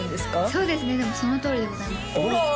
そうですねそのとおりでございます